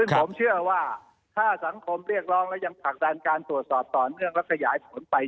ซึ่งผมเชื่อว่าถ้าสังคมเรียกร้องและยังผลักดันการตรวจสอบต่อเนื่องและขยายผลไป